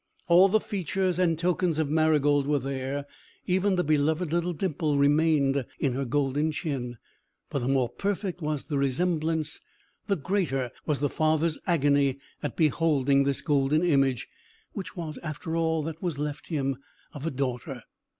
All the features and tokens of Marygold were there; even the beloved little dimple remained in her golden chin. But, the more perfect was the resemblance, the greater was the father's agony at beholding this golden image, which was all that was left him of a daughter.